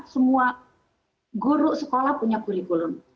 semua guru sekolah punya kurikulum